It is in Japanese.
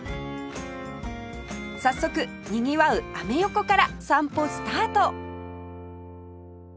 早速にぎわうアメ横から散歩スタート